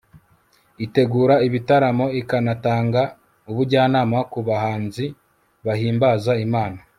itegura ibitaramo, ikanatanga ubujyanama ku bahanzi bahimbaza imana